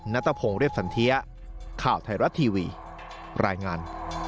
นัทพงศ์เรียบสันเทียข่าวไทยรัฐทีวีรายงาน